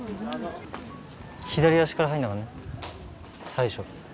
左足から入るんだからね最初。